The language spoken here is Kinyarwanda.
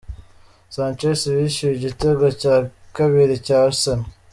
sanchez wishyuye igitego cya kabiri cya Arsenal